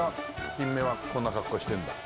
キンメはこんな格好してるんだ。